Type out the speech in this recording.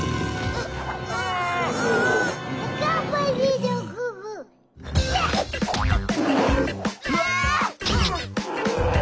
うわ！